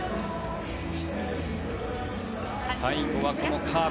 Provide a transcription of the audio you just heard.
最後はこのカーブ。